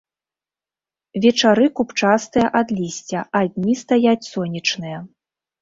Вечары купчастыя ад лісця, а дні стаяць сонечныя.